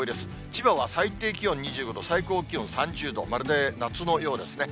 千葉は最低気温２５度、最高気温３０度、まるで夏のようですね。